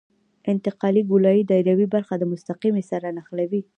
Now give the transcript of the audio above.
انتقالي ګولایي دایروي برخه له مستقیمې سره نښلوي